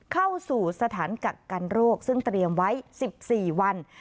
เข้าสู่สถานกักกันโรคซึ่งเตรียมไว้๑๔วัน